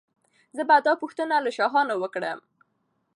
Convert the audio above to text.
زه به دا پوښتنه له شاهانو وکړم.